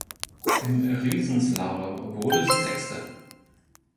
Im Riesenslalom wurde sie Sechste.